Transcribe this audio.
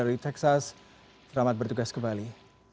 terimakasih banyak dan selamat ber floors kebeli